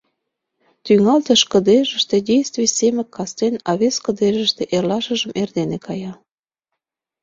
Тӱҥалтыш кыдежыште действий Семык кастен, а вес кыдежыште эрлашыжым эрдене кая.